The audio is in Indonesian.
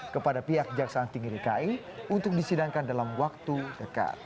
kepada pihak jaksaan tinggi dki untuk disidangkan dalam waktu dekat